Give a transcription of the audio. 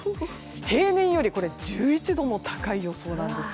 平年より１１度も高い予想なんです。